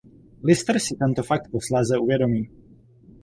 Lister si tento fakt posléze uvědomí.